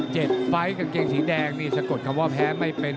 ไฟล์กางเกงสีแดงนี่สะกดคำว่าแพ้ไม่เป็น